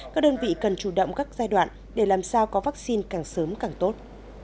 các đơn vị cần chủ động các giai đoạn để làm sao có vaccine càng sớm càng tốt